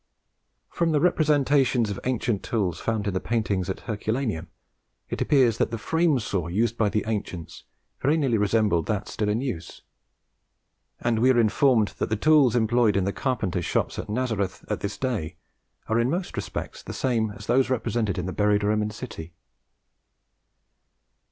From the representations of ancient tools found in the paintings at Herculaneum it appears that the frame saw used by the ancients very nearly resembled that still in use; and we are informed that the tools employed in the carpenters' shops at Nazareth at this day are in most respects the same as those represented in the buried Roman city.